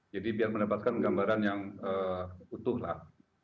jadi biar mendapatkan gambaran yang utuh lah